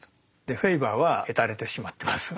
フェーバーはへたれてしまってます。